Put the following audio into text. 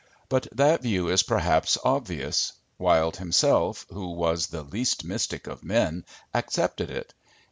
But that view is perhaps obvious. Wilde himself, who was the least mystic of men, accepted it.